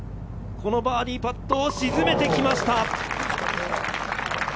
このバーディーパットを沈めてきました。